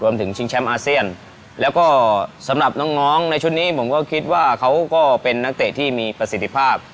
ชิงแชมป์อาเซียนแล้วก็สำหรับน้องในชุดนี้ผมก็คิดว่าเขาก็เป็นนักเตะที่มีประสิทธิภาพ